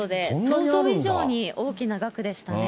想像以上に大きな額でしたね。